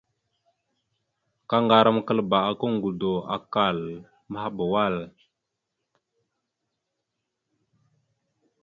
Kaŋgarəkaləba aka ŋgədo, akkal, maɗəba wal.